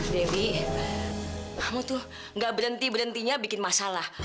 dewi kamu tuh gak berhenti berhentinya bikin masalah